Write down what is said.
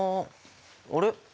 あれ？